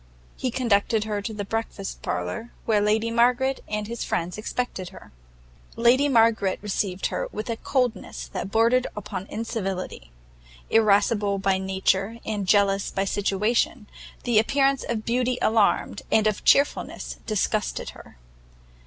He conducted her to the breakfast parlour, where Lady Margaret and his friends expected her. Lady Margaret received her with a coldness that bordered upon incivility; irascible by nature and jealous by situation, the appearance of beauty alarmed, and of chearfulness disgusted her.